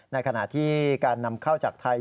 ในขณะที่การนำเข้าจากไทย